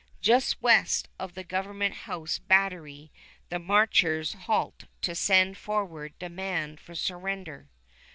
Just west of the Government House battery the marchers halt to send forward demand for surrender.